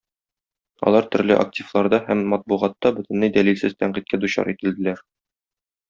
Алар төрле активларда һәм матбугатта бөтенләй дәлилсез тәнкыйтькә дучар ителделәр.